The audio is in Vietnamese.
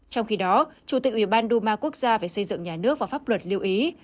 trong khi đó chủ tịch ủy ban duma quốc gia về xây dựng nhà nước và pháp luật lưu ý